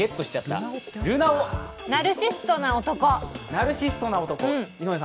ナルシストな男？